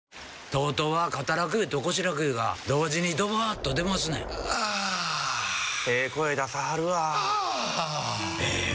ＴＯＴＯは肩楽湯と腰楽湯が同時にドバーッと出ますねんあええ声出さはるわあええ